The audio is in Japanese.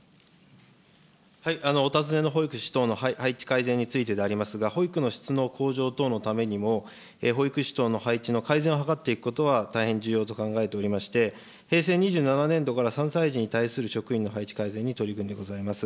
お尋ねの保育士等の配置改善についてでありますが、保育の質の向上等のためにも、保育士等の配置の改善を図っていくことは、大変重要と考えておりまして、平成２７年度から、３歳児に対する職員の配置改善に取り組んでございます。